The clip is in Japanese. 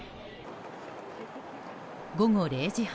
午後０時半